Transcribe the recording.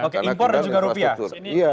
oke impor dan juga rupiah